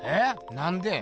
なんで？